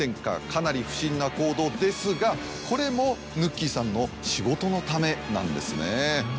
かなり不審な行動ですがこれもぬっきぃさんの仕事のためなんですね。